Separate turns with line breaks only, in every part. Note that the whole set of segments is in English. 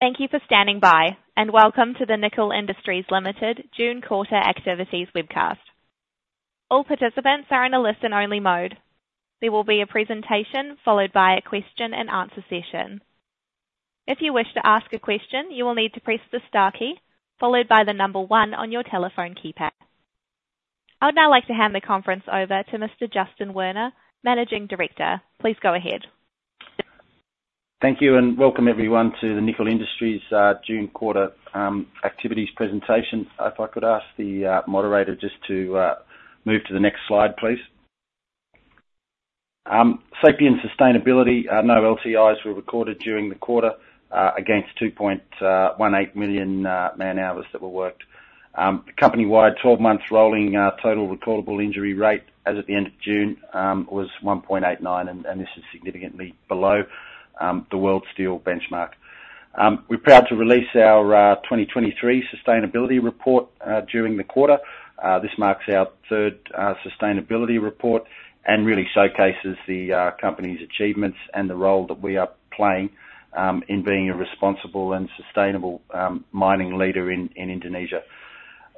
Thank you for standing by, and welcome to the Nickel Industries Limited June Quarter Activities webcast. All participants are in a listen-only mode. There will be a presentation, followed by a question and answer session. If you wish to ask a question, you will need to press the star key, followed by the number one on your telephone keypad. I would now like to hand the conference over to Mr. Justin Werner, Managing Director. Please go ahead.
Thank you, and welcome everyone to the Nickel Industries June quarter activities presentation. If I could ask the moderator just to move to the next slide, please. Safety and sustainability, no LTIs were recorded during the quarter, against 2.18 million man hours that were worked. Company-wide, 12 months rolling total recordable injury rate as at the end of June was 1.89%, and this is significantly below the World Steel benchmark. We're proud to release our 2023 sustainability report during the quarter. This marks our third sustainability report, and really showcases the company's achievements and the role that we are playing in being a responsible and sustainable mining leader in Indonesia.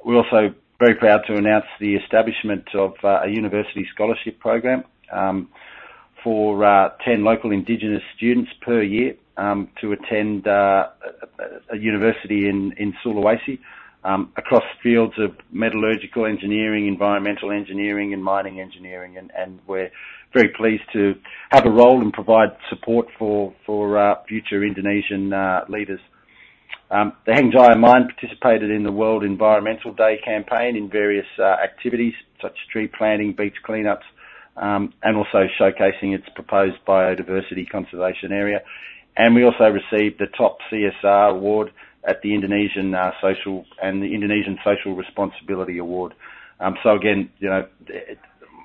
We're also very proud to announce the establishment of a university scholarship program for 10 local indigenous students per year to attend a university in Sulawesi across fields of metallurgical engineering, environmental engineering, and mining engineering. And we're very pleased to have a role and provide support for future Indonesian leaders. The Hengjaya Mine participated in the World Environment Day campaign in various activities such as tree planting, beach cleanups, and also showcasing its proposed biodiversity conservation area. And we also received the top CSR award at the Indonesia Social Responsibility Awards. So again, you know,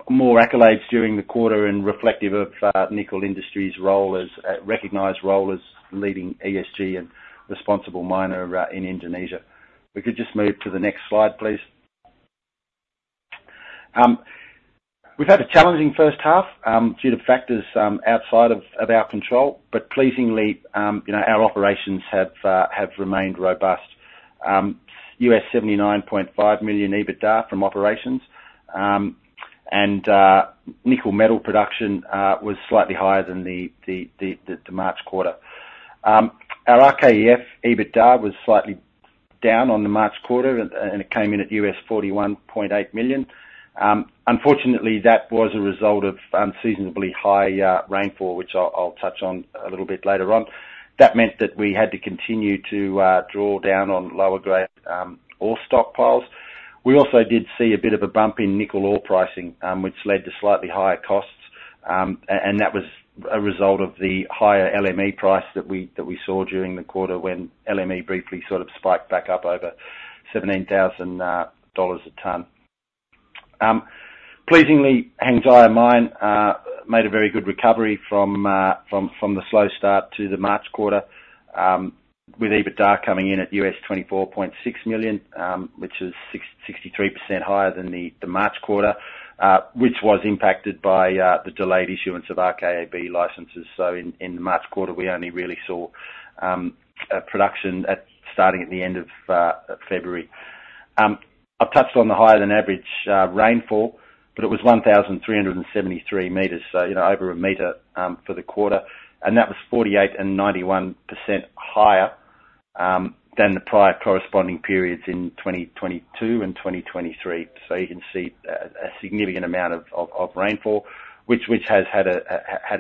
more accolades during the quarter in reflective of Nickel Industries' role as a recognized role as leading ESG and responsible miner in Indonesia. If we could just move to the next slide, please. We've had a challenging first half due to factors outside of our control, but pleasingly, you know, our operations have remained robust. $79.5 million EBITDA from operations, and nickel metal production was slightly higher than the March quarter. Our RKEF EBITDA was slightly down on the March quarter, and it came in at $41.8 million. Unfortunately, that was a result of unseasonably high rainfall, which I'll touch on a little bit later on. That meant that we had to continue to draw down on lower grade ore stockpiles. We also did see a bit of a bump in nickel ore pricing, which led to slightly higher costs, and that was a result of the higher LME price that we saw during the quarter when LME briefly sort of spiked back up over $17,000 a tonne. Pleasingly, Hengjaya Mine made a very good recovery from the slow start to the March quarter, with EBITDA coming in at $24.6 million, which is 63% higher than the March quarter, which was impacted by the delayed issuance of RKAB licenses. So in the March quarter, we only really saw production starting at the end of February. I've touched on the higher-than-average rainfall, but it was 1,373 mm, so, you know, over a meter, for the quarter, and that was 48% and 91% higher than the prior corresponding periods in 2022 and 2023. So you can see a significant amount of rainfall, which has had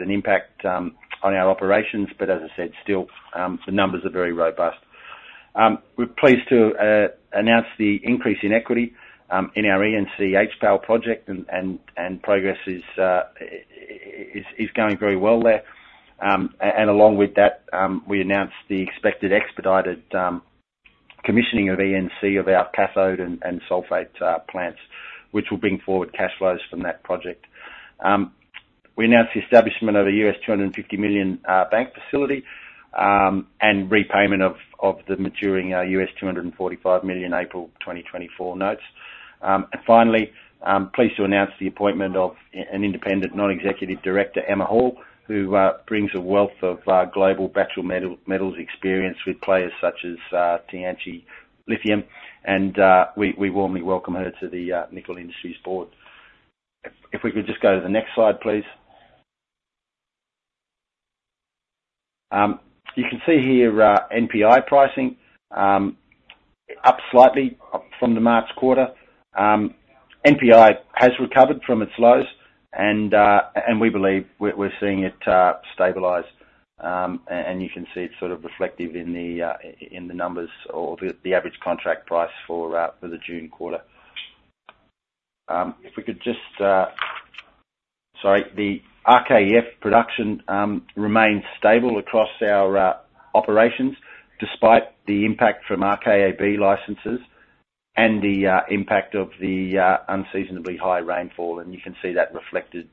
an impact on our operations, but as I said, still, the numbers are very robust. We're pleased to announce the increase in equity in our ENC HPAL project and progress is going very well there. And along with that, we announced the expected expedited commissioning of ENC of our cathode and sulfate plants, which will bring forward cash flows from that project. We announced the establishment of a $250 million bank facility, and repayment of the maturing $245 million April 2024 notes. And finally, I'm pleased to announce the appointment of an Independent, Non-Executive Director, Emma Hall, who brings a wealth of global battery metals experience with players such as Tianqi Lithium, and we warmly welcome her to the Nickel Industries board. If we could just go to the next slide, please. You can see here NPI pricing up slightly from the March quarter. NPI has recovered from its lows, and we believe we're seeing it stabilize. And you can see it's sort of reflective in the numbers or the average contract price for the June quarter. If we could just... Sorry, the RKEF production remains stable across our operations, despite the impact from RKAB licenses and the impact of the unseasonably high rainfall, and you can see that reflected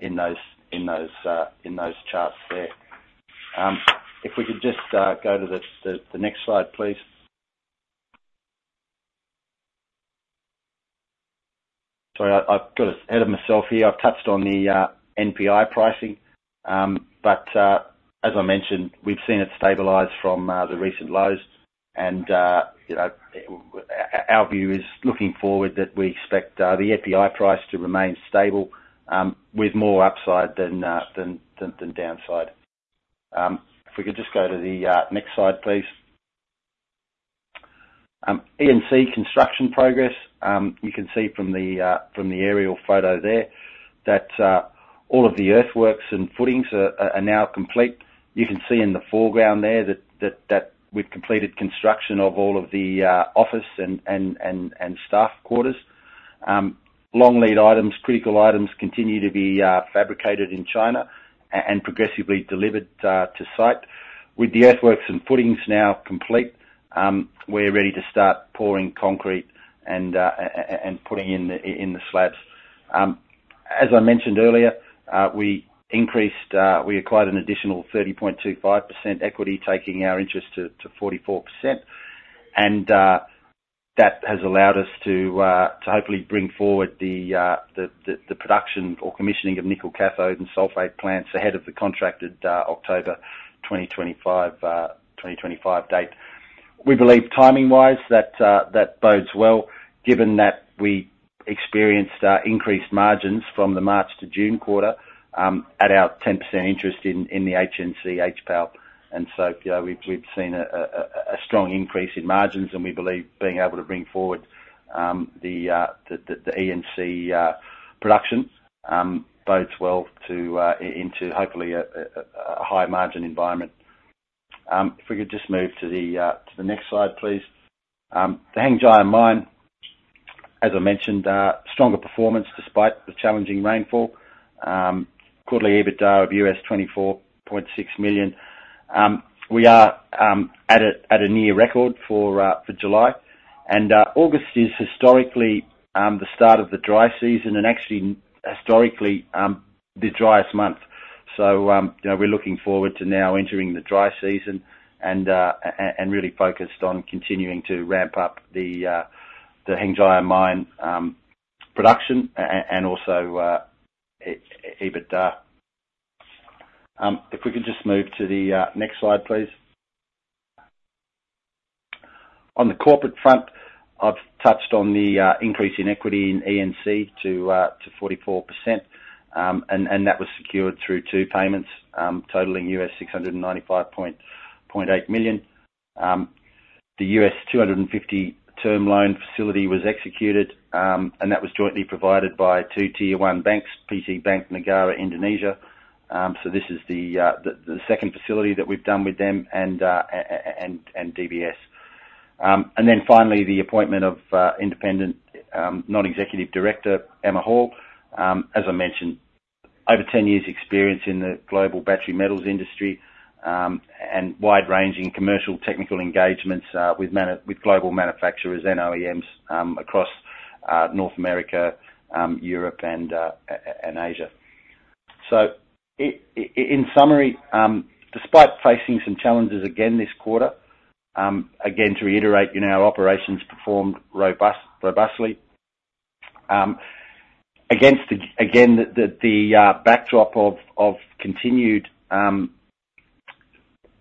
in those charts there. If we could just go to the next slide, please. I've got ahead of myself here. I've touched on the NPI pricing, but as I mentioned, we've seen it stabilize from the recent lows, and you know, our view is looking forward that we expect the NPI price to remain stable, with more upside than downside. If we could just go to the next slide, please. ENC construction progress, you can see from the aerial photo there, that all of the earthworks and footings are now complete. You can see in the foreground there that we've completed construction of all of the office and staff quarters. Long lead items, critical items, continue to be fabricated in China and progressively delivered to site. With the earthworks and footings now complete, we're ready to start pouring concrete and putting in the slabs. As I mentioned earlier, we increased... We acquired an additional 30.25% equity, taking our interest to 44%, and that has allowed us to hopefully bring forward the production or commissioning of nickel cathode and sulfate plants ahead of the contracted October 2025 date. We believe timing-wise that bodes well, given that we experienced increased margins from the March to June quarter at our 10% interest in the HNC HPAL. And so, you know, we've seen a strong increase in margins, and we believe being able to bring forward the ENC production bodes well into hopefully a high margin environment. If we could just move to the next slide, please. The Hengjaya Mine, as I mentioned, stronger performance despite the challenging rainfall. Quarterly EBITDA of $24.6 million. We are at a near record for July. August is historically the start of the dry season, and actually historically the driest month. So, you know, we're looking forward to now entering the dry season and, and really focused on continuing to ramp up the Hengjaya Mine production and also EBITDA. If we could just move to the next slide, please. On the corporate front, I've touched on the increase in equity in ENC to 44%, and that was secured through two payments totaling $695.8 million. The $250 term loan facility was executed, and that was jointly provided by two Tier-1 banks, PT Bank Negara Indonesia. So this is the second facility that we've done with them, and DBS. And then finally, the appointment of Independent Non-Executive Director Emma Hall. As I mentioned, over 10 years' experience in the global battery metals industry, and wide-ranging commercial technical engagements with global manufacturers and OEMs across North America, Europe, and Asia. So in summary, despite facing some challenges again this quarter, again, to reiterate, you know, our operations performed robustly. Against the backdrop of continued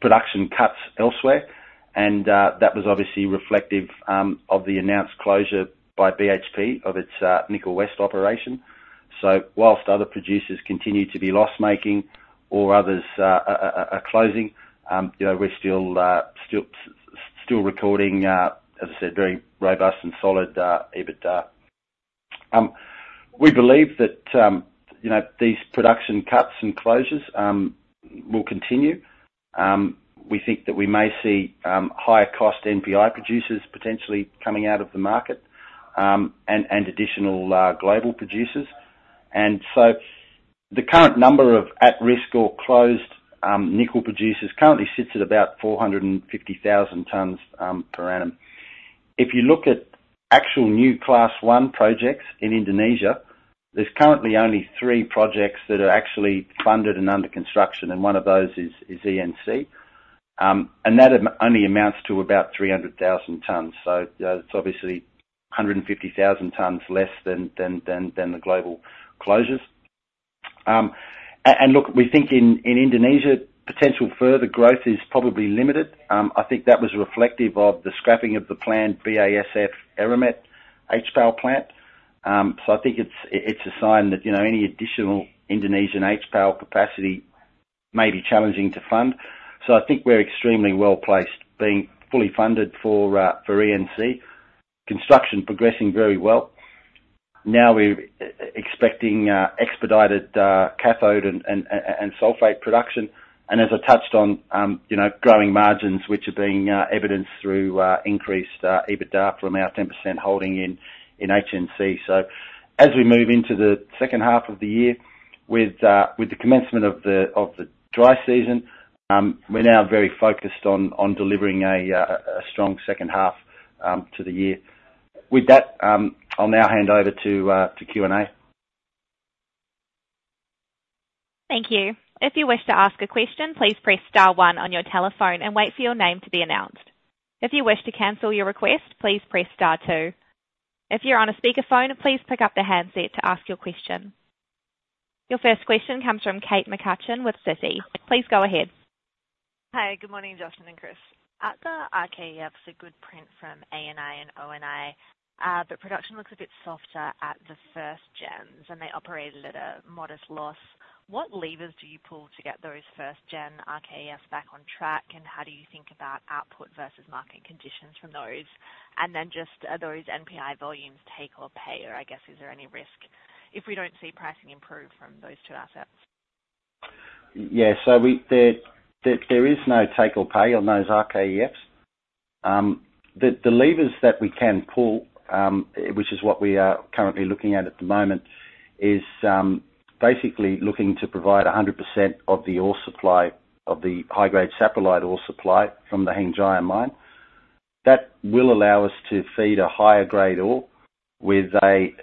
production cuts elsewhere, and that was obviously reflective of the announced closure by BHP of its Nickel West operation. So whilst other producers continue to be loss-making or others are closing, you know, we're still recording, as I said, very robust and solid EBITDA. We believe that, you know, these production cuts and closures will continue. We think that we may see higher cost NPI producers potentially coming out of the market, and additional global producers. And so the current number of at-risk or closed nickel producers currently sits at about 450,000 tonnes per annum. If you look at actual new Class 1 projects in Indonesia, there's currently only three projects that are actually funded and under construction, and one of those is ENC. And that only amounts to about 300,000 tonnes, so it's obviously 150,000 tonnes less than the global closures. And look, we think in Indonesia, potential further growth is probably limited. I think that was reflective of the scrapping of the planned BASF Eramet HPAL plant. So I think it's a sign that, you know, any additional Indonesian HPAL capacity may be challenging to fund. So I think we're extremely well-placed, being fully funded for ENC. Construction progressing very well. Now, we're expecting expedited cathode and sulfate production, and as I touched on, you know, growing margins, which are being evidenced through increased EBITDA from our 10% holding in HNC. So as we move into the second half of the year with the commencement of the dry season, we're now very focused on delivering a strong second half to the year. With that, I'll now hand over to Q&A.
Thank you. If you wish to ask a question, please press star one on your telephone and wait for your name to be announced. If you wish to cancel your request, please press star two. If you're on a speakerphone, please pick up the handset to ask your question. Your first question comes from Kate McCutcheon with Citi. Please go ahead.
Hi, good morning, Justin and Chris. At the RKEF, it's a good print from ANI and ONI, but production looks a bit softer at the first gens, and they operated at a modest loss. What levers do you pull to get those first gen RKEFs back on track? And how do you think about output versus market conditions from those? And then just are those NPI volumes, take or pay, or I guess, is there any risk if we don't see pricing improve from those two assets?
Yeah. So, there is no take or pay on those RKEFs. The levers that we can pull, which is what we are currently looking at at the moment, is basically looking to provide 100% of the ore supply, of the high-grade saprolite ore supply from the Hengjaya Mine. That will allow us to feed a higher grade ore with a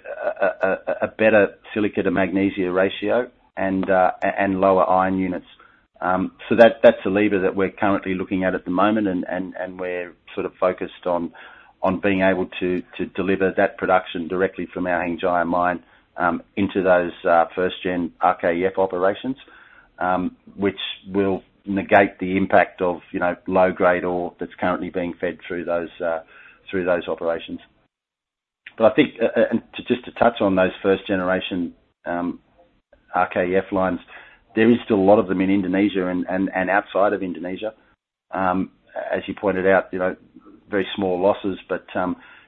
better silica to magnesia ratio and lower iron units. So that's a lever that we're currently looking at at the moment, and we're sort of focused on being able to deliver that production directly from our Hengjaya Mine into those first gen RKEF operations, which will negate the impact of, you know, low grade ore that's currently being fed through those operations. But I think, and to just touch on those first generation RKEF lines, there is still a lot of them in Indonesia and outside of Indonesia. As you pointed out, you know, very small losses, but,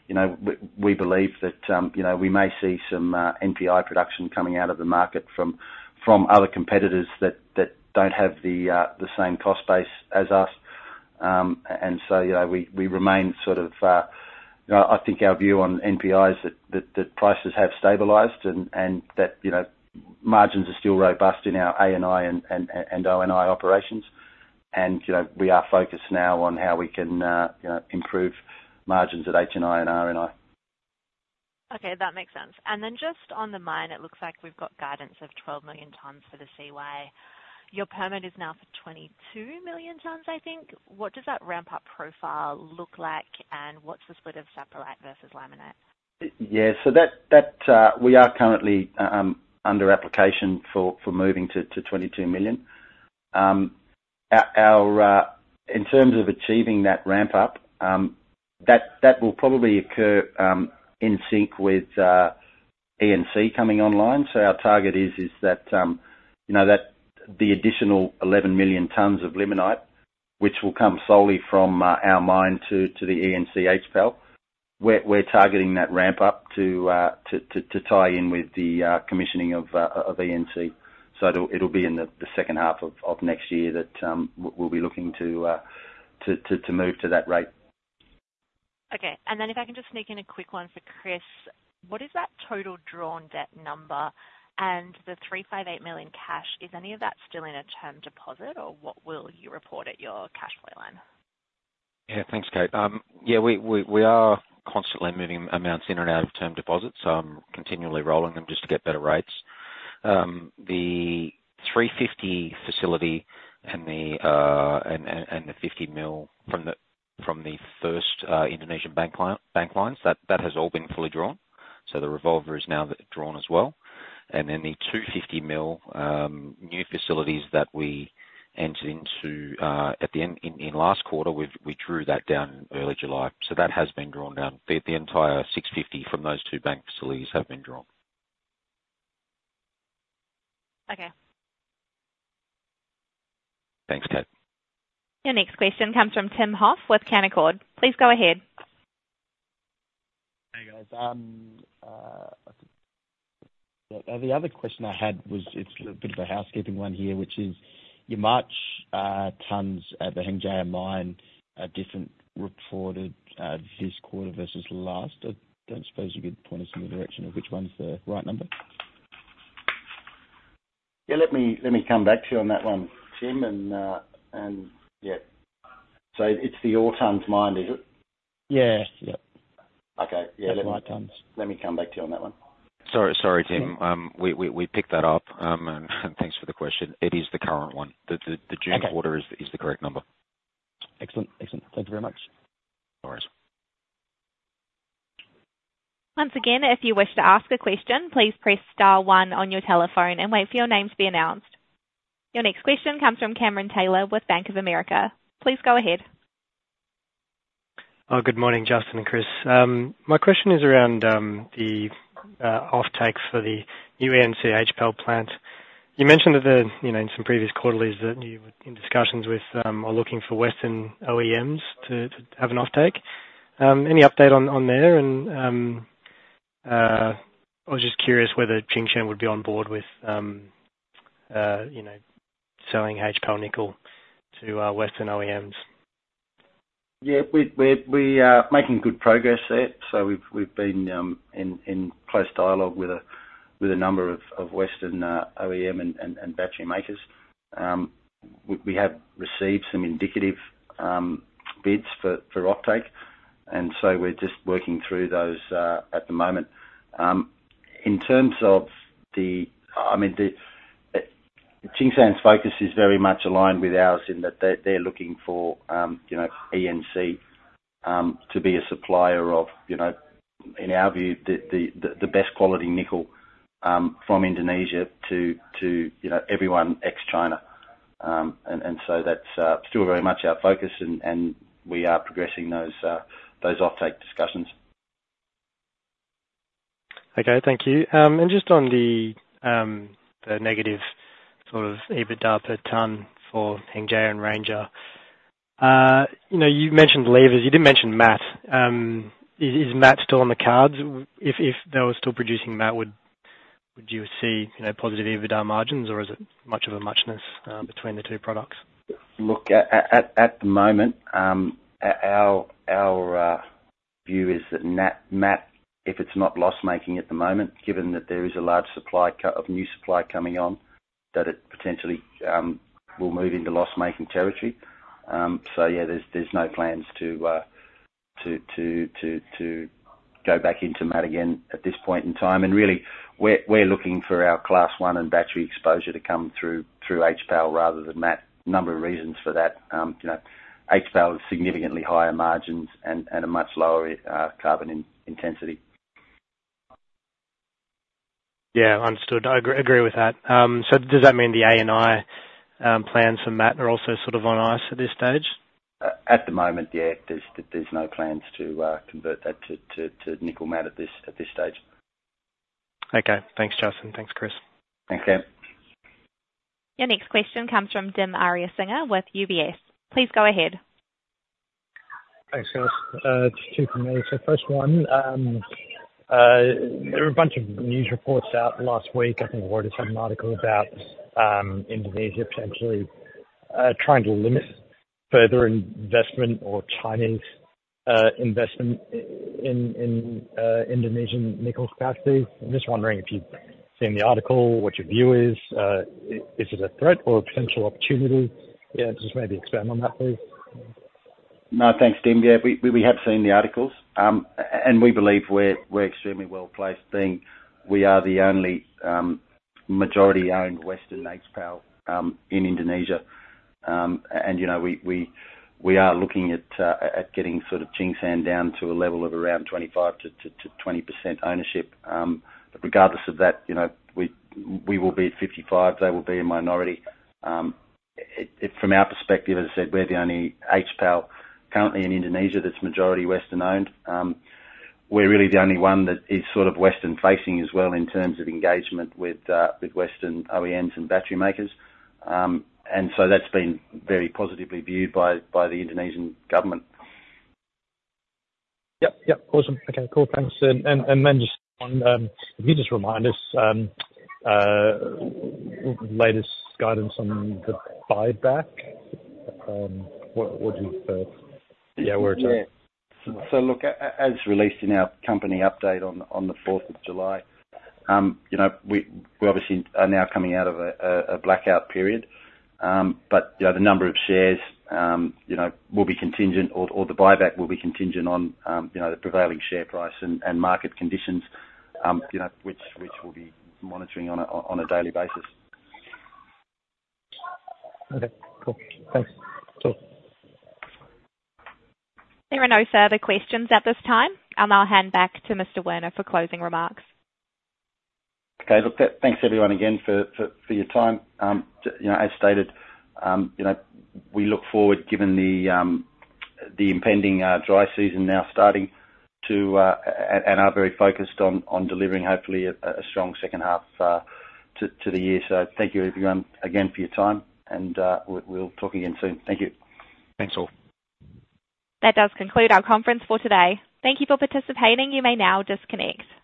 you know, we believe that, you know, we may see some NPI production coming out of the market from other competitors that don't have the same cost base as us. And so, you know, we remain sort of... You know, I think our view on NPI is that prices have stabilized and that, you know, margins are still robust in our ANI and ONI operations. And, you know, we are focused now on how we can, you know, improve margins at HNI and RNI.
Okay, that makes sense. And then just on the mine, it looks like we've got guidance of 12 million tonnes for the CY. Your permit is now for 22 million tonnes, I think. What does that ramp up profile look like, and what's the split of saprolite versus limonite?
Yeah. So that we are currently under application for moving to 22 million. Our, in terms of achieving that ramp up, that will probably occur in sync with ENC coming online. So our target is that you know that the additional 11 million tonnes of limonite, which will come solely from our mine to the ENC HPAL. We're targeting that ramp up to tie in with the commissioning of ENC. So it'll be in the second half of next year that we'll be looking to move to that rate.
Okay. And then if I can just sneak in a quick one for Chris. What is that total drawn debt number and the $358 million cash? Is any of that still in a term deposit, or what will you report at your cash flow line?
Yeah, thanks, Kate. Yeah, we are constantly moving amounts in and out of term deposits. Continually rolling them just to get better rates. The $350 million facility and the $50 million from the first Indonesian bank clients, that has all been fully drawn, so the revolver is now drawn as well. And then the $250 million new facilities that we entered into at the end in last quarter, we drew that down early July. So that has been drawn down. The entire $650 million from those two bank facilities have been drawn.
Okay.
Thanks, Kate.
Your next question comes from Tim Hoff with Canaccord. Please go ahead.
Hey, guys. The other question I had was it's a bit of a housekeeping one here, which is your March tonnes at the Hengjaya Mine, a different reported this quarter versus last. I don't suppose you could point us in the direction of which one's the right number?
Yeah, let me, let me come back to you on that one, Tim, and, and yeah. So it's the ore tonnes mined, is it?
Yeah. Yep.
Okay. Yeah.
That's right, tonnes.
Let me come back to you on that one.
Sorry, sorry, Tim. We picked that up, and thanks for the question. It is the current one.
Okay.
June quarter is the correct number.
Excellent. Excellent. Thank you very much.
No worries.
Once again, if you wish to ask a question, please press star one on your telephone and wait for your name to be announced. Your next question comes from Cameron Taylor with Bank of America. Please go ahead.
Oh, good morning, Justin and Chris. My question is around the offtake for the new ENC HPAL plant. You mentioned that, you know, in some previous quarterlies that you were in discussions with or looking for Western OEMs to have an offtake. Any update on there? And I was just curious whether Tsingshan would be on board with you know, selling HPAL nickel to Western OEMs.
Yeah, we're making good progress there. So we've been in close dialogue with a number of Western OEM and battery makers. We have received some indicative bids for offtake, and so we're just working through those at the moment. In terms of the, I mean, Tsingshan's focus is very much aligned with ours in that they're looking for, you know, ENC to be a supplier of, you know, in our view, the best quality nickel from Indonesia to, you know, everyone ex-China. And so that's still very much our focus, and we are progressing those offtake discussions.
Okay, thank you. Just on the negative sort of EBITDA per tonne for Hengjaya and Ranger. You know, you mentioned levers, you didn't mention matte. Is matte still on the cards? If they were still producing matte, would you see, you know, positive EBITDA margins, or is it much of a muchness between the two products?
Look, at the moment, at our view is that matte, if it's not loss-making at the moment, given that there is a large supply of new supply coming on, that it potentially will move into loss-making territory. So yeah, there's no plans to go back into matte again at this point in time. And really, we're looking for our Class 1 and battery exposure to come through HPAL rather than matte. Number of reasons for that. You know, HPAL is significantly higher margins and a much lower carbon intensity.
Yeah. Understood. I agree, agree with that. So does that mean the ANI plans for matte are also sort of on ice at this stage?
At the moment, yeah, there's no plans to convert that to nickel matte at this stage.
Okay. Thanks, Justin. Thanks, Chris.
Thanks, Cam.
Your next question comes from Dim Ariyasinghe with UBS. Please go ahead.
Thanks, guys. It's two from me. So first one, there were a bunch of news reports out last week. I think I wrote an article about Indonesia potentially trying to limit further investment or Chinese investment in Indonesian nickel capacity. I'm just wondering if you've seen the article, what your view is? Is it a threat or a potential opportunity? Yeah, just maybe expand on that, please.
No, thanks, Dim. Yeah, we have seen the articles, and we believe we're extremely well-placed, being we are the only majority-owned Western HPAL in Indonesia. And, you know, we are looking at getting sort of Tsingshan down to a level of around 25% to 20% ownership. But regardless of that, you know, we will be at 55%, they will be a minority. From our perspective, as I said, we're the only HPAL currently in Indonesia that's majority Western-owned. We're really the only one that is sort of Western-facing as well, in terms of engagement with Western OEMs and battery makers. And so that's been very positively viewed by the Indonesian government.
Yep. Yep. Awesome. Okay, cool. Thanks. And then just one, can you just remind us, latest guidance on the buyback? What, what do you... Yeah, where it's at.
Yeah. So look, as released in our company update on the fourth of July, you know, we obviously are now coming out of a blackout period. But, you know, the number of shares, you know, will be contingent or the buyback will be contingent on, you know, the prevailing share price and market conditions, you know, which we'll be monitoring on a daily basis.
Okay, cool. Thanks. Cool.
There are no further questions at this time. I'll hand back to Mr. Werner for closing remarks.
Okay. Look, thanks everyone again for your time. You know, as stated, you know, we look forward, given the impending dry season now starting to, and are very focused on delivering hopefully a strong second half to the year. So thank you everyone again for your time, and we'll talk again soon. Thank you.
Thanks, all.
That does conclude our conference for today. Thank you for participating. You may now disconnect.